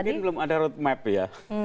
mungkin belum ada road map ya